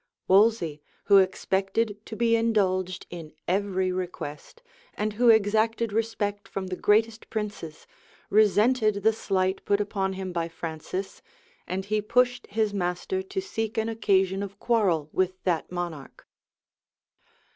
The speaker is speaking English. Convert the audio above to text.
Wolsey, who expected to be indulged in every request, and who exacted respect from the greatest princes, resented the slight put upon him by Francis and he pushed his master to seek an occasion of quarrel with that monarch.